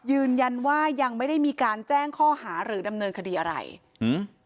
ยืนยันว่ายังไม่ได้มีการแจ้งข้อหาหรือดำเนินคดีอะไรอืม